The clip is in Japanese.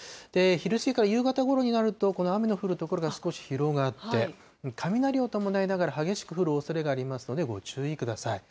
昼過ぎから夕方ごろになると、この雨の降る所が少し広がって、雷を伴いながら、激しく降るおそれがありますので、ご注意ください。